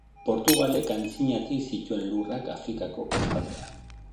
Portugalek antzinatik zituen lurrak Afrikako kostaldean.